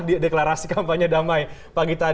di deklarasi kampanye damai pagi tadi